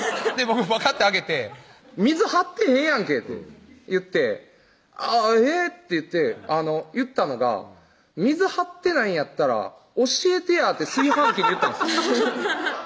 僕パカッて開けて「水張ってへんやんけ」って言って「えぇ？」って言って言ったのが「水張ってないんやったら教えてや」って炊飯器に言ったんですハハハハハッ